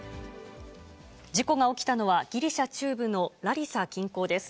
事故が起きたのは、ギリシャ中部のラリサ近郊です。